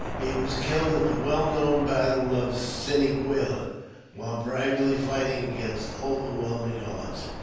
He was killed at the well known battle of Ceneguilla while bravely fighting against overwhelming odds.